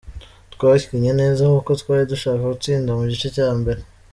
Twakinnye neza kuko twari dushaka gutsinda mu gice cya mbere.